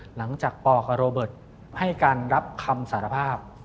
หลังจากปกับโรเบิร์ตให้การรับคำสารภาพ